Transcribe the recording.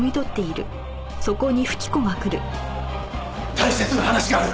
大切な話がある！